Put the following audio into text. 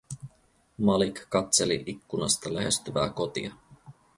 Malik katseli ikkunasta lähestyvää kotia.